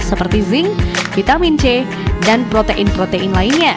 seperti zinc vitamin c dan protein protein lainnya